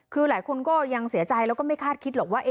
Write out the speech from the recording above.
คือหลายคนก็ยังเสียใจแล้วก็ไม่คาดคิดหรอกว่า